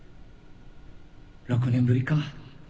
６年ぶりか。